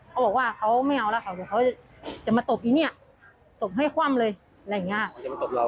เขาบอกว่าเขาไม่เอาแล้วค่ะเดี๋ยวเขาจะมาตบอีเนี่ยตบให้คว่ำเลยอะไรอย่างเงี้ย